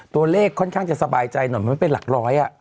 ตัวเลขค่อนข้างจะสบายใจหน่อยมันเป็นหลักร้อย